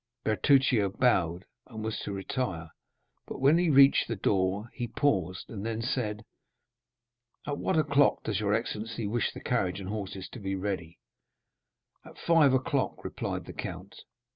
Bertuccio bowed, and was about to retire; but when he reached the door, he paused, and then said, "At what o'clock does your excellency wish the carriage and horses to be ready?" "At five o'clock," replied the count.